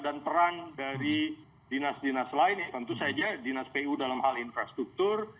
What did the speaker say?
dan peran dari dinas dinas lain tentu saja dinas pu dalam hal infrastruktur